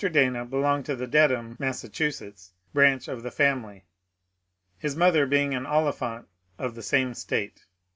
Dana belonged to the Dedham (Massachu setts) branch of the family, his mother being an Oliphant of the same State.